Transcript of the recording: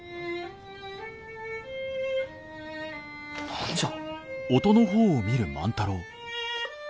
・何じゃ？